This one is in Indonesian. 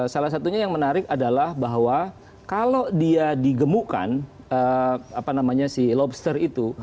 salah satunya yang menarik adalah bahwa kalau dia digemukkan si lobster itu